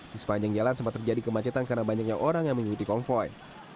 di sepanjang jalan sempat terjadi kemacetan karena banyaknya orang yang mengikuti konvoy